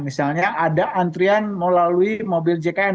misalnya ada antrian melalui mobil jkn